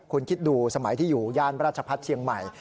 คุณคิดดูสมัยที่อยู่ย่านราชพัฒน์เชียงใหม่